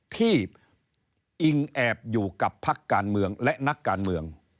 อิงแอบอยู่กับพักการเมืองและนักการเมือง